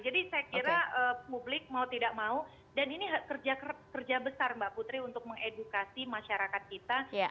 jadi saya kira publik mau tidak mau dan ini kerja besar mbak putri untuk mengedukasi masyarakat kita